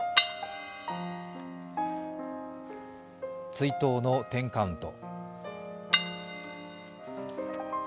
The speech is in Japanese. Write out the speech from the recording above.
追悼のテンカウント。